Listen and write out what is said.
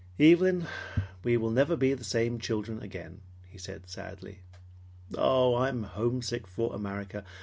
"Evelyn, we will never be the same children again," he said sadly. "Oh, I'm homesick for America!